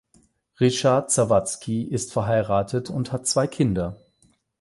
Ryszard Zawadzki ist verheiratet und hat zwei Kinder.